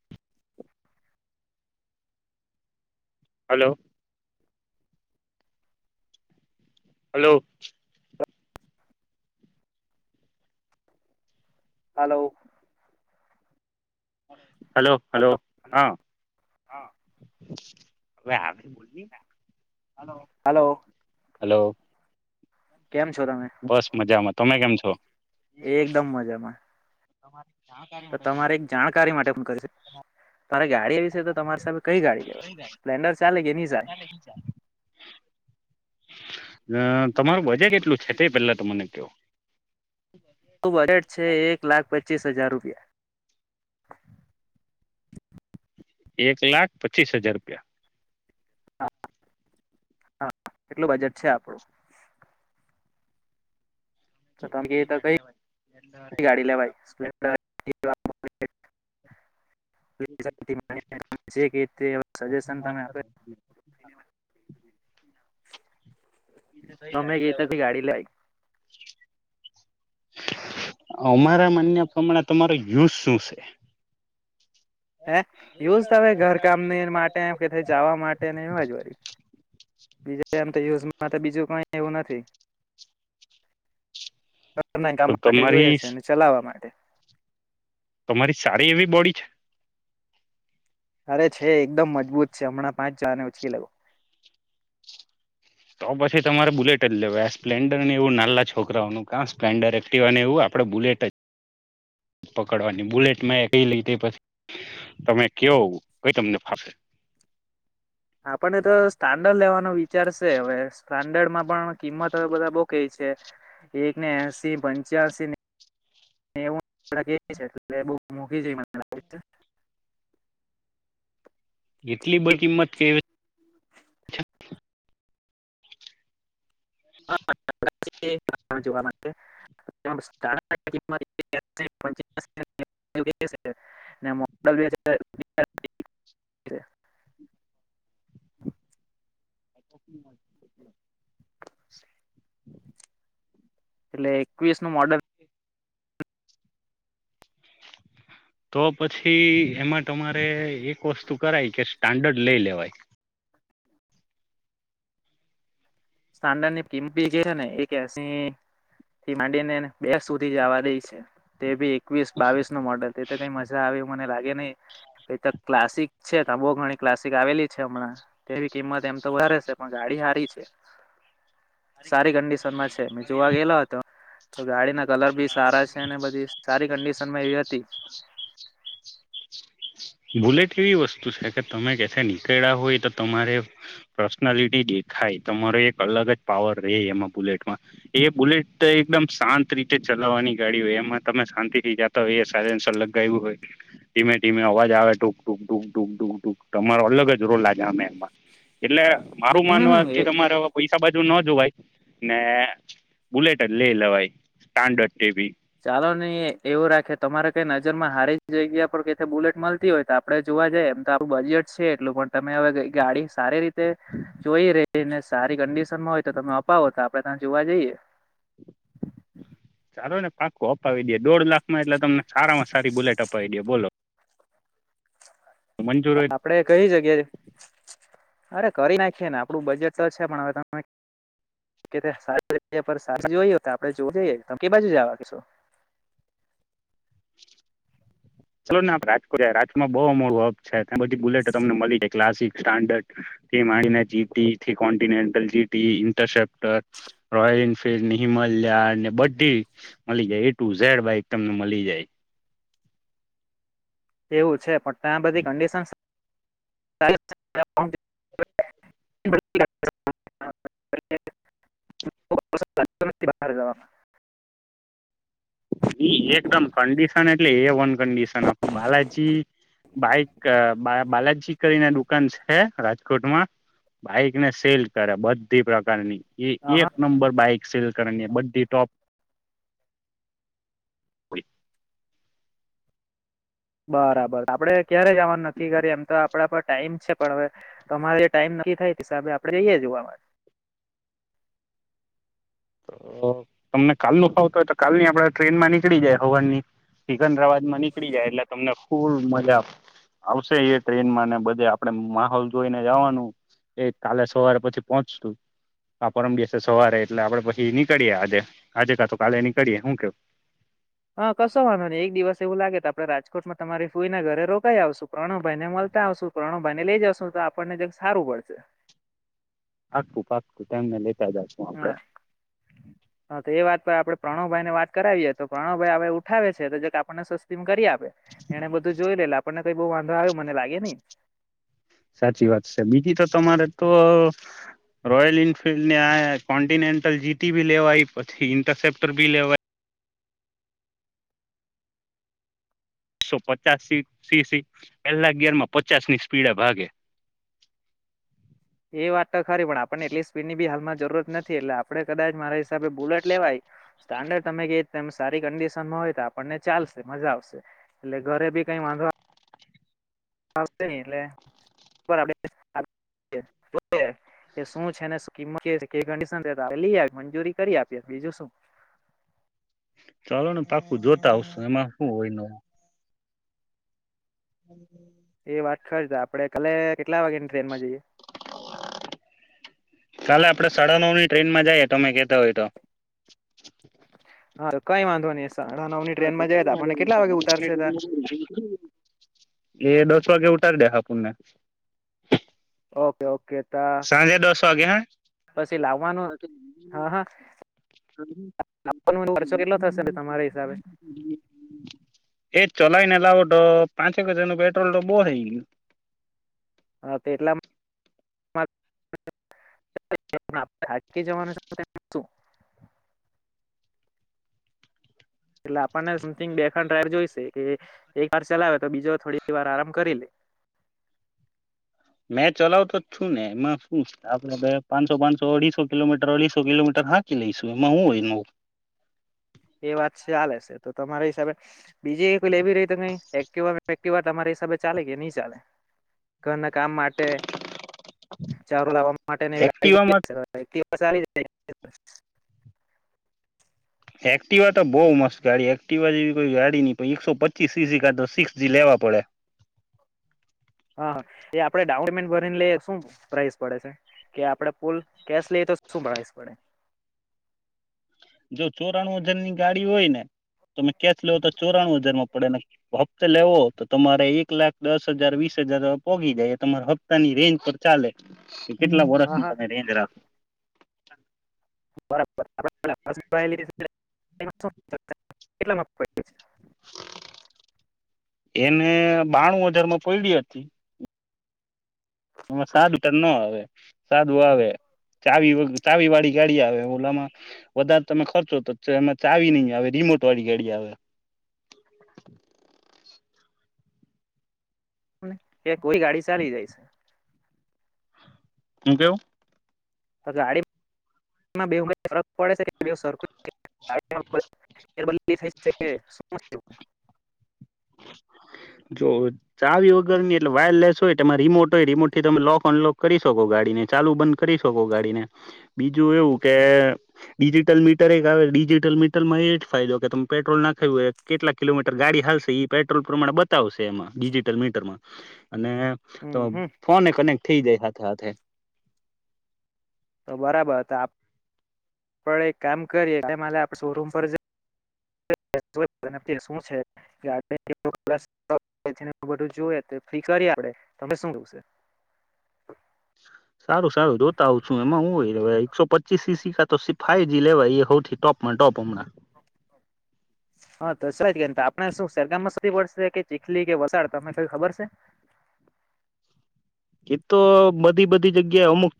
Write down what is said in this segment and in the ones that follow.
[inaudible] Hello. Hello. Hello. Hello hello હા હવે. Hello hello કેમ છો તમે બસ મજામાં. તમે કેમ છો? એકદમ મજામાં તો તમારે એક જાણકારી માટે પણ કરીશ. ગાડી વિશે તો તમારી સામે કઈ ગાડી લેવા. સ્પ્લેન્ડર ચાલે કે એની જાય? [inaudible] અ તમારું મજે કેટલું છે? તે પેલા ત મને કયો. બજેટ છે એક લાખ પચીસ હજાર રૂપ. [inaudible] એક લાખ પચીસ હજાર રૂપિયા? હા! કેટલું બજેટ છે આપડું? કે તો કઈ ગાડી લેવાય? સ્પ્ન્ડ [inaudible] જે કેય તે સજેશન મને આપે. [unintelligible] તમે ક્યાંથી ગાડી લાવ્યા? અમારા માન્ય પ્રમાણે તમારો યુઝ શું છે? હે એવું જ તમે ઘરકામ માટે કે જવા માટે ને એવા જ વળી. [unintelligible] બીજા એમ તો યુઝમાં બીજું કઈ એવું નથી. ઘર ના કામ તો માટે જોઈએ તમારી છે ને ચલાવવા માટે. તમારી સારી એવી બોડી છે. અરે, છે એકદમ મજબૂત છે. હમણાં પાંચ હજાર ને ઓછી લેવો. તો પછી તમારે બુલેટ જ લેવાય. આ સ્પ્લેન્ડર ને એવું નાલા છોકરાઓનું. સ્પ્લેન્ડર, એક્ટિવ અને એવું, આપણે બુલેટ જ. પકડવાની બુલેટમાં કંઈ લઈ તે પછી તમે કેવો, કંઈ તમને ફાવે. આપણને તો સ્ટાન્ડર્ડ લેવાનો વિચાર સે હવે. સ્ટાન્ડર્ડ માં પણ કિંમત હવે બધા બઉ કંઈ છે. એકને એસી, પંચ્યાસી ને. એવું કે છે, એટલે કે મૂકી જો મને લાગે છે. [unintelligible] એટલી બહુ કિંમત કહેવાય. હા, જોવા માટે છે. [unintelligible] મોલ [unintelligible] [unintelligible] પટ [unintelligible] [unintelligible] એટલે એકવીસ નું મોડલ છે. તો પછી એમાં તમારે એક વસ્તુ. કરાય કે સ્ટાન્ડર્ડ લઈ લેવાય. સ્ટાન્ડર્ડ ની કિંમત બી જે છે ને એક એસી. થી માંડીને બે સુધી જવા દે છે તે બી. એકવીસ, બાવીસ નું મોડેલ, તે તો કંઈ મજા આવે મને લાગે નહીં. એ તો ક્લાસિક છે. તે બહુ ઘણી ક્લાસિક આવેલી છે હમણાં. તેવી કિંમત એમ તો વધારે છે, પણ ગાડી. તૈયારી છે. સારી કંડિશનમાં છે. મે જોવા ગયેલો હતો. તો ગાડીના કલર બી સારા છે, અને બધી સારી કન્ડિશનમાં એવી હતી. બુલેટ એવી વસ્તુ છે કે, તમે કેથે નીકળ્યા હોય, તો તમારે પર્સનાલિટી દેખાય. થાય, તમારો એક અલગ જ પાવર રહે એમાં. બુલેટમાં, એ બુલેટ એકદમ શાંત રીતે. ચલાવવાની ગાડી હોય, એમાં તમે શાંતિ થી જતા હોય. એ સસર લગાવ્યું હોય, ધીમે ધીમે અવાજ. આવે, ઢૂક-ઢૂક-ઢૂક-ઢૂક-ઢૂકૂક, તમારો અલગ જ રોલા જામે. એટલે, મારું હમ માનવા એ કે તમારે હવે પૈસા બાજુ ન. ને બુલેટ લે લેવાય, સ્ટાન્ડર્ડ જેવી. ચાલો, નહીં એવું રાખે. તમારે કઈ નજર માં હારી જવાય. બુલેટ મળતી હોય, તો આપડે જોવા જઈએ. એમ તો આપણું બજેટ છે એટલું, પણ તમે હવે ગાડી સારી રીતે. જોઈ રહીને, સારી કંડિશન માં હોય, તો તમે અપાવો, તો આપડે ત્યાં જોવા જઈએ. [unintelligible] સારો ને પાકો અપાવી દે, દોઢ લાખમાં. એટલે તમને સારામાં સારી બુલેટ અપાવી દે, બોલો. મંજૂર હોય આપડે કંઈ જગ્યાએ અરે, કરી નાખીએ ને. આપડું બજેટ તો છે, પણ હવે તમે. કે સારી જોઈએ, તો આપડે જોવું જઈએ. તમે કે, બાજુ જવા કેશો. [unintelligible] ચાલો ને, આપણે રાજકોટ. રાજકોમાં બહુ મોડું હબ છે, તેમાંથી બધી બુલેટો તમને મળી જાય, ક્લાસિક, સ્ટાન્ડર્ડ. માણીના જી કોન્ટિનેન્ટલ જીટી ઇન્ટરસેપ્ટર રોયલ એન્ફિલ્ડમ મળ બધી મળી જાય એટું ઝર ભાઈ તમને મળી જાય એવું છે પણ ત્યાં બધી કંડિશન [unintelligible] [unintelligible] એકદમ કંડીિશન એટલે એ વનકંડિશન આપડું બાલાજી બાઈક બા બાલાજી કરી ના દુકાન છે રાજકોટમાં બાઈકને સેલ કરે બધી પ્રકારની એ એક નંબર બાઈક સેલ કરવાની બડી ટોપ બય બરાબર આપડે ક્યારે જવાનું નક્કી કરીએ એમ તો આપડા પર ટાઈમ છે પણ હવે તમારે ટાઈમ થાય હિસાબે આપડે જઈએે જોવા મળ [unintelligible] તો તમને કાલ ન ખાવત હોય તો કાલની આપણે ટ્રેન માં નીકળી જાય હવાન ની સિકન્દરાબાદ માં નીકળી જાય એટલે તમને ખુબ મજા આવશે એ ટ્રેનમાં ને બધે આપડે માહોલ જોઈને જવાનું એ કાલે સવારે પછી પહોંચતું આ પરમ બશે સવારે એટલે આપડે પછી એ નીકળીયે આજે આજે કાતો કાલે નીકળીે હું કેવ હા કશો વાનો ને એક દિવસ એવું લાગે ત આપણે રાજકોટમાં તમારી ફૂઈને ઘરે રોકાઈ આવશું પ્રાણુભાઈને મળતા આવશું પ્રાણુભાઈને લઈ જાવશું તો આપણને સારું પડશે આું પાક હા હા તો એ વાત પણ આપડે પ્રણવભાઈ ને વાત કરાવીએે તો પ્રણવભાઈ હ ઉઠાવે છે તો જે આપને સસ્તી કરી આપ એને બધું જોઈ લેલ આપણને કઈ બ વાંધો આવ્યો મને લાગે નને સાચી વાત છે બીજી તો તમારે તો રોયલ ન્ફિલ્ડ ને આ કોન્ટિનેન્ટલ જીટી બી લેવાય પછી ઇન્ટરસેપ્ટર બી લેવાય એકસો પચાસી સી પહેલા ગેરમાં પચાસ ની સ્પીડ ભાગે [unintelligible] એ વાત તો ખરી પણ આપણને એટલી સ્પીડ ની બી હાલમાં જરૂરત નથી એટલે આપડે કદાચ મારા હિસાબે બુલેટ લેવાય સ્ટાન્ડર્ડ તમે કે સારી કન્ડિશનમાં હોય તો આપણને ચાલશે મજા આવશે એટલે ઘરે બી કઈ વાંધો આવશે ન એટલે એ શું છે ને કિંમત આપ લઈ મંજૂરી કરી આપી બીજું શું ચાલોને પાકું જોતા આવશ એમાં શું હોય ન હમ એ વાત ખર છે આપડે કાલે કેટલા વાગ્યા ની ટ્રેનમાં જઈએ કાલે આપડે સાડા નવ ની ટ્રેનમાં જઈએ તો અમે કેતા હોય તો હા કઈ વાંધવા ન ઉતારશે તા [unintelligible] વાગે ઉઠાર દે હા પુને ઓકે ઓકે તા સાંજે દસ વાગે પછી લાવવાનું હા હા ખર્ચો કેટલો થશે તમારા હિસાબે હે [inaudible] ચલાવીને લાવો તો પાંચેક હજાર નું પેટ્રોલ તો બહ થઈ ગું હા તો એટલામાં [unintelligible] [inaudible] એટલે આપણને સમથિંગ બેખાંડડ જોઈશે કે એક વાર ચલાવે તો બીજો થોડી વાર આરામ કરી લે [unintelligible] મેં ચલાવતો જ છું ને એમાં શું આપડે પાંચસો પાંચસો અઢીસો કિલોમીટર અઢીસો કિલોમીટર ભાકી લઈશું. એમાં હું હોયનું? એ વાત છે ચલે છે. તો તમારા હિસાબે, બીજી કોઈ લેવી રહી તો કઈ એક્ટવાવા તમારા હિસાબે ચાલે કે નહી ચાલે? ઘરના કામ માટે ચારો લાવવામાં. એક્ટિવામાં [inaudible] એક્ટિવા તો બહુ મસ્ત ગાડી. એક્ટિવા જેવી કોઈ ગાડી નહી. પણ એકસો પચીસ સીસી કા તો સિક્સ જી લેવા. પડે. હા હા! એ આપડે ડાઉન પેમેન્ટ ભરીને લઈ શું પ્રાઈસ પડે છે? કે આપડે પલ કેશ લ. તો શું પ્રાઈઝ પડે? જો ચોરાણું વજનની ગાડી હોય ને. તમે કેશ લેવો તો ચોરાણું હજારમાં પડે ને. હપ્તે લેવો તો, તમારે એક લાખ દસ હજાર વીસ. પોગી જાય. તમા હપ્તા ની રેન્જ પર ચાલે કે કેટલા હા વરષની હા તમે રેન્જ રાખો. [inaudible] એને બાણું હજાર માં પડડી હતી. એ સાદું ટ ન આવે. સાદું આવે. ચાવ ચાવી વાળી ગાડી આવે ઓલામાં. વધારે તમે ખર્ચો તો એમાં ચાવી નહી આવે. રિમોટ વાળી ગાડી આવે. કે કોઈ ગાડી ચાલી જાય છે. હું કેવું? ગાડી બે ફરક પડે છે. સરખું [inaudible] જો ચાવી વગર ની એટલે વાયરલેસ હોય. એમાં રિમોટ હોય રિમોટ થી. તમે લોક અનલોક કરી શકો ગાડી ચાલુ બંધ કરી શકો ગાડીને. બીજું એવું કે ડિજિટલ મીટર આવે. ડિજિટલ મીટલમાં એ જ ફાયદો ઉઠાવે કે, તમે પેટ્રોલ ના ખું એ કેટલા કિલોમીટર ગાડી હાલશે એ પેટ્રોલ પ્રમાણે. શે એમાં ડિજિટલ મીટરમાં. અને તો હમ હમ ફોન કનેક. થઠી જે હાથે હાથે. તો બરાબર. તો આપ આપ એક કામ કરીએ આપ શોરૂમ પર જ. [inaudible] શું છે? કે આપ બધું જોએ ફ્રી કરી. [unintelligible] [inaudible] સારું સારું. જોતા હોઉં છું. એમાં હું હોય એકસો પચીસ સી સી્કા તો ફાઇ જી લેવાય એ સૌ ટોપમાં ટોપ. [unintelligible] હા તો સ કે આપડણે શું સરરગામમાં સી પડશે કે ચીખલી કે વસાડ તનેઈ ખબર છે? એતો બધી બધી જગ્યાએ અમુક.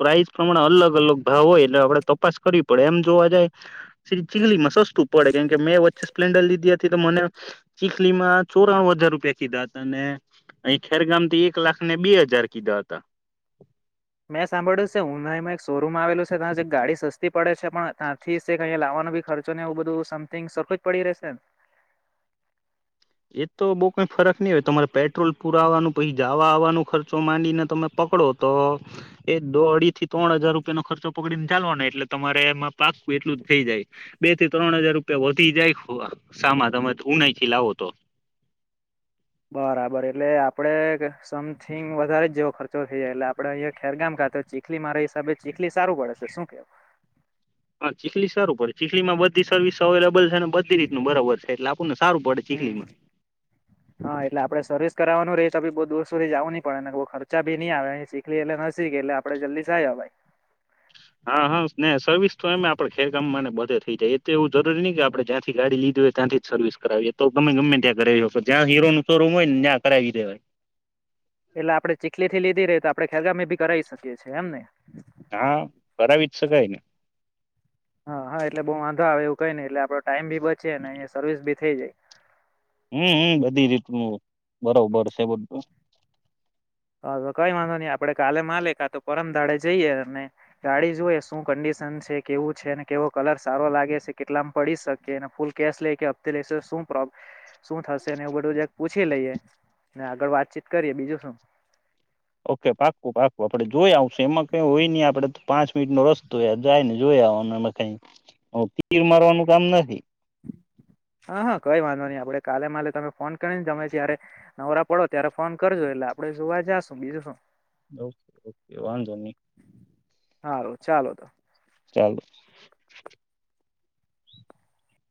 પ્રાઇસ પ્રમાણે અલગ અલગ ભાવ હોય. એટલે આપડે તપાસ કરવી પડે એમ જોવા જાય, ચીગલી મસા. સસ્તું પડે. કેમ કે મેં વચ્ચે સ્પ્લેન્ડર લીધી હતી તો, મને ચીખલીમાં ચોરાણું હજાર રૂપિયા કીધા હતા. અને અહી ખેરગામથી એક લાખને બે હજાર કીધા હતા. મેં સાંભળ્યું છે. હું નામાં એક સો રૂમ આવેલું છે ત્યાં ગાડી સસ્તી પડે છે. પણ ત્યાંથી કહીયા લાવવાનો બ ખર્ચ ને એવ બધું સમથિંગ સરું. પડી રહેશે. [inaudible] એ તો બઉ કઈ ફરક નહી હોય. તમારે પેટ્રોલ પૂરા આવવાનું પછી જવા આવવાનો ખર્ચો માંડીને તમે. પકડો તો એ દો અઢી થી ત્રણ હજાર રૂપિયા નો ખર્ચો પકડી ને ચાલવાનો. એટલે તમારે એમાં પાક એટલું જ થઈ જાય. બે થી ત્રણ હજાર રૂપિયા વધી જાય સામાં તમે ઉનાખથી લાવો. તો બરાબર. એટલે આપડે સમથિંગ વધારે જ જેવો ખર્ચો થઇ જાય. એટલે આપડે અહીયાયા ખેરગામ. તો ચીખલી મારા હિસાબે ચીખલી સારું પડે છે. શું કેવું? હા! ચીખલી સારું પડે. ચીખલી માં બધી સર્વિસ અવેલેબલ છે. ને બધી રીતનું બરાબર છે. એટલે આપુંને સારું પડે ચીખલીમાં. હમ કરનું રે તોી બઉુ દોસ્ સુધથી જવું ન પે ને ખર્ચાી નઈ આવે એ શીખલી એટલે શીખે એટલે આપણે જલ્દી જાય ભાઈ. [inaudible] હા હા ને સર્વિસ તો એમ આપડે ખેરકામ માં બધે થઈ જાય એલે એવું જરૂરી નહી કે આપણેે જયાંથી ગાડી લીધી ત્યાંથી જ સર્વિસ કરાવીએ તો ગમે ગમે ત્યાં કરાવી આવશો જ્યાં હીરોનું શોરૂમ હોય ને ત્યાં કરાવી દેવાય. [inaudible] એટલે આપડણે ચીખલી થી લીધી રહી તો આપડે ખેરગામી ભી કરાવી શકીએ છીએ એમ ને. હા કરાવી જ શકાયન. હા હા એટલે બઉ વાંધો આવે એવું કઈ નહી એટલે આપડો ટાઈમ બી બચે ને અહીયા સર્વિસ બી થઈ જાય. હમ્મ હું બધી રીતનું બરોબર છે બધું હવે કઈ વાંધો નહી આપડે કાલે માલે કા તો પરમધાડે જઈએ અને ગાડી જોઈએ શું કંડિશન છે કેવું છે અને કેવો કલર સારો લાગે છે કેટલામ પડી શકે ફૂલ કેશ લે કે હપ્તે લેશું. હું પ્રો શું થશે ને એવું બધું પૂછી લઈએ ને આગળ વાતચીત કરીએ બીજું શું ઓકે પાકું પાકું આપડે જોઈ આવ એમાં કઈ હોય નહી આપડે તો પાંચ મિનિટનો રસ્તો જાય ને જોય ત્યાં હો કઈ તીર મારવાનું કામ નથી. હા હા કઈ વાંધો નઈ આપડે કાલે માલે તમે ફોન કરીને તમે જય્યારે નવરા પડો ત્યારે ફોન કરજો એટલે આપડે જોવા જાશું બીજું શું ઓકે ઓકે વાંધો નહી. હારુ ચાલો તાણ. ચાલો.